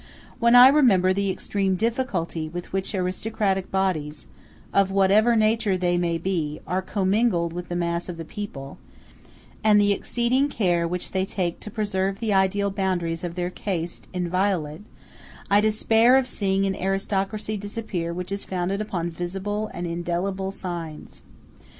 When I remember the extreme difficulty with which aristocratic bodies, of whatever nature they may be, are commingled with the mass of the people; and the exceeding care which they take to preserve the ideal boundaries of their caste inviolate, I despair of seeing an aristocracy disappear which is founded upon visible and indelible signs.